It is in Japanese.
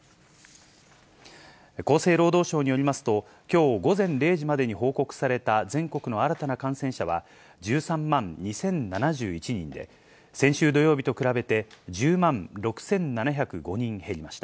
厚生労働省によりますと、きょう午前０時までに報告された全国の新たな感染者は１３万２０７１人で、先週土曜日と比べて、１０万６７０５人減りました。